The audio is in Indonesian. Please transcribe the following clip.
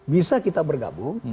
bisa kita bergabung